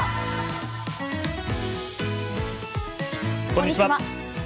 こんにちは。